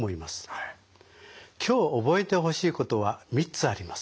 今日覚えてほしいことは３つあります。